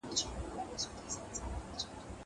زه پرون تمرين کوم.